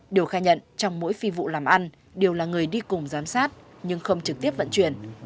điều khai nhận trong mỗi phi vụ làm ăn đều là người đi cùng giám sát nhưng không trực tiếp vận chuyển